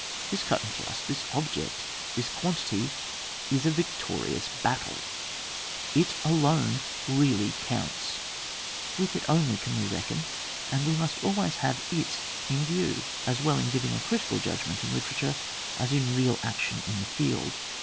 This cut and thrust, this object, this quantity, is a victorious battle; it alone really counts ; with it only can we reckon ; and we must always have it in view, as well in giving a critical judgment in literature as in real action in the field.